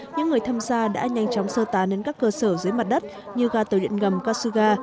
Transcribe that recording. những người tham gia đã nhanh chóng sơ tán đến các cơ sở dưới mặt đất như ga tàu điện ngầm kasuga